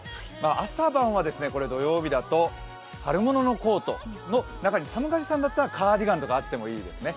朝晩は土曜日だと春物のコートの中に寒がりさんだったらカーディガンとかあってもいいですね。